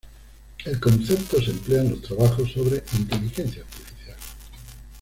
El concepto se emplea en los trabajos sobre inteligencia artificial.